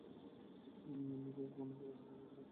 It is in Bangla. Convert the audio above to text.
মিমি- কে কখনো ছেড়ে চলে যাবি না তো?